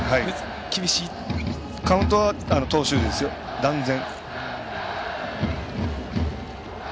カウントは投手ですよ、断然。